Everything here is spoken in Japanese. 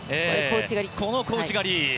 この小内刈り！